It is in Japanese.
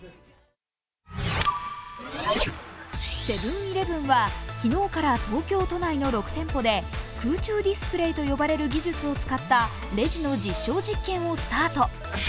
セブン−イレブンは昨日から東京都内の６店舗で空中ディスプレイと呼ばれる技術を使ったレジの実証実験をスタート。